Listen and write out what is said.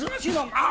あっ！